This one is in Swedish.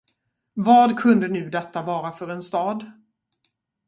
Vad kunde nu detta vara för en stad?